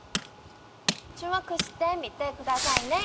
注目して見てくださいね。